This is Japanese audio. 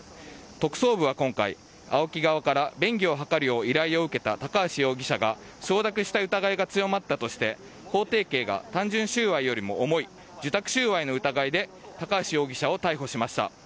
特捜部は今回、ＡＯＫＩ側から便宜を図るよう依頼を受けた高橋容疑者が承諾した疑いが強まったとして法定刑が単純収賄より重い受託収賄の疑いで高橋容疑者を逮捕しました。